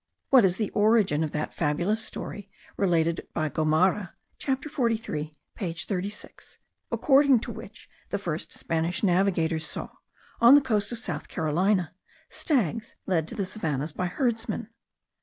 What is the origin of that fabulous story related by Gomara (chapter 43 page 36) according to which the first Spanish navigators saw, on the coast of South Carolina, stags led to the savannahs by herdsmen?